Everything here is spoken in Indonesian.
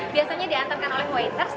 biasanya diantarkan oleh waiters